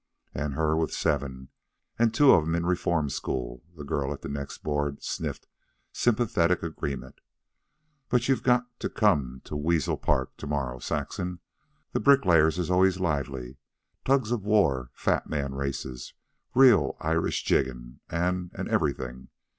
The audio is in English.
"An' her with seven, an' two of 'em in reform school," the girl at the next board sniffed sympathetic agreement. "But you just got to come to Weasel Park to morrow, Saxon. The Bricklayers' is always lively tugs of war, fat man races, real Irish jiggin', an'... an' everything.